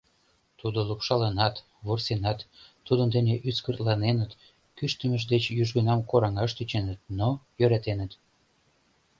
Тудо лупшалынат, вурсенат, тудын дене ӱскыртланеныт, кӱштымыж деч южгунам кораҥаш тӧченыт, но йӧратеныт.